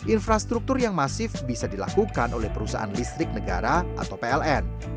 infrastruktur yang masif bisa dilakukan oleh perusahaan listrik negara atau pln